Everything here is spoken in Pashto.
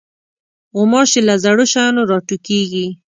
غوماشې له زړو شیانو راټوکېږي.